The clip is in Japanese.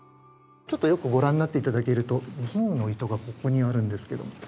ちょっとよくご覧になって頂けると銀の糸がここにあるんですけども。